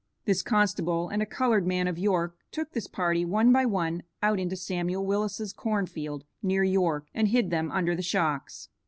This constable and a colored man of York took this party one by one out into Samuel Willis' corn field, near York, and hid them under the shocks.